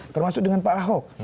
termasuk dengan pak ahok